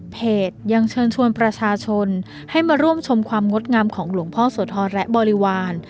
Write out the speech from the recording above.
ยังเชิญชวนประชาชนให้มาร่วมชมความงดงามของหลวงพ่อโสธรและบริวาร